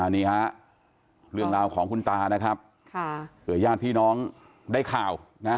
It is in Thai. นี่ฮะเรื่องราวของคุณตานะครับเผื่อญาติพี่น้องได้ข่าวนะ